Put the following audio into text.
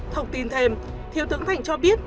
thông tin thêm thiếu tướng thành cho biết